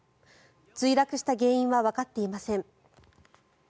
墜落した原因はわかっていません。